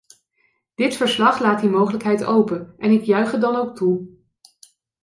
Dit verslag laat die mogelijkheid open en ik juich het dan ook toe.